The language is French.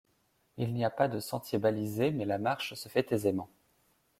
Il n'y a pas de sentier balisé, mais la marche se fait aisément.